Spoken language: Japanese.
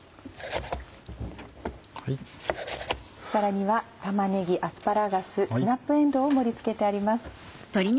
皿には玉ねぎアスパラガススナップえんどうを盛り付けてあります。